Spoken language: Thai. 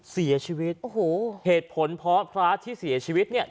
เสียชีวิตโอ้โหเหตุผลเพราะพระที่เสียชีวิตเนี่ย